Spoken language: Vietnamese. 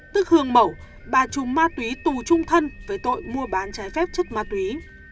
tức hương mẩu bà chùm ma túy tù chung thân với tội mua bán trái phép chất ma túy